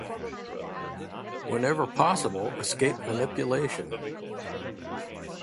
Whenever possible, escape manipulation.